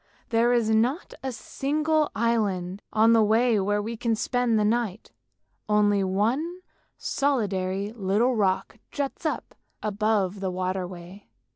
There is not a single island on the way where we can spend the night, only one solitary little rock juts up above the water midway.